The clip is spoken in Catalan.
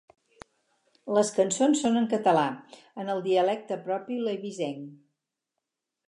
Les cançons són en català, en el dialecte propi, l'eivissenc.